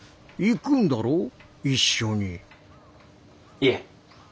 いえ。